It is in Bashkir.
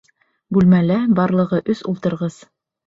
Бүлмәлә барлығы өс ултырғыс.